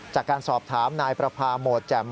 จากการสอบถามนายประพาโหมดแจ่ม